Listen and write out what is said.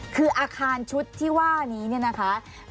คืออาคารชุดที่ว่านี้นะคะ